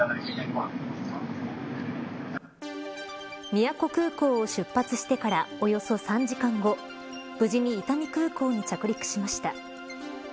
宮古空港を出発してからおよそ３時間後無事に伊丹空港に着陸しました。